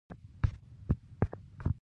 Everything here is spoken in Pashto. ژمنه پوره کول د نارینه کار دی